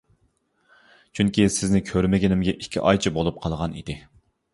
چۈنكى, سىزنى كۆرمىگىنىمگە ئىككى ئايچە بولۇپ قالغان ئىدى.